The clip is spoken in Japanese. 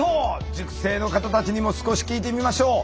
塾生の方たちにも少し聞いてみましょう。